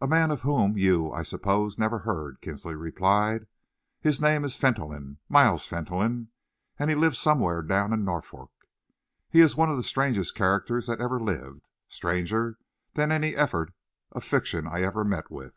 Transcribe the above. "A man of whom you, I suppose, never heard," Kinsley replied. "His name is Fentolin Miles Fentolin and he lives somewhere down in Norfolk. He is one of the strangest characters that ever lived, stranger than any effort of fiction I ever met with.